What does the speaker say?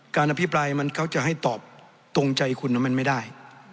อภิปรายมันเขาจะให้ตอบตรงใจคุณว่ามันไม่ได้